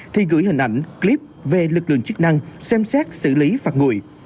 thì gửi hình ảnh clip về lực lượng chức năng xem xét xử lý phạt nguội